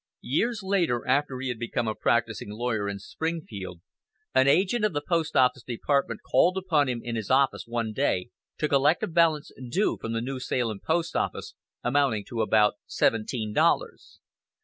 Years later, after he had become a practising lawyer in Springfield, an agent of the Post office Department called upon him in his office one day to collect a balance due from the New Salem post office, amounting to about seventeen dollars.